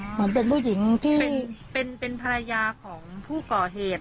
เหมือนเป็นผู้หญิงที่เป็นภรรยาของผู้ก่อเหตุ